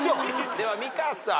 では美香さん。